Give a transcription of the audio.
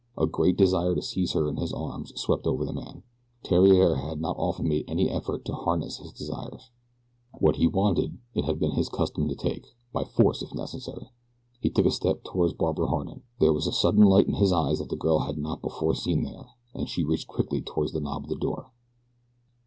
A great desire to seize her in his arms swept over the man. Theriere had not often made any effort to harness his desires. What he wanted it had been his custom to take by force if necessary. He took a step toward Barbara Harding. There was a sudden light in his eyes that the girl had not before seen there, and she reached quickly toward the knob of the door.